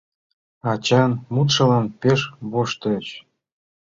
Ачан мутшылан пеш воштыльыч.